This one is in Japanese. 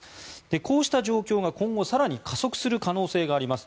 こうした状況が今後更に加速する可能性があります。